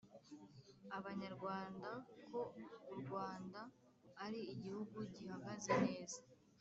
Abanyarwanda ko u Rwanda ari Igihugu gihagaze neza